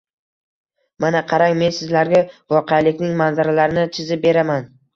Mana qarang, men sizlarga voqelikning manzaralarini chizib beraman